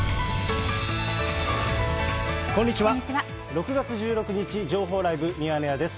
６月１６日、情報ライブミヤネ屋です。